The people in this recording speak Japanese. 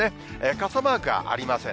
傘マークはありません。